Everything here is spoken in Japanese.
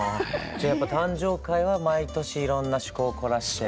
じゃやっぱ誕生会は毎年いろんな趣向を凝らして。